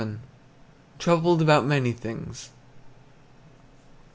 "TROUBLED ABOUT MANY THINGS."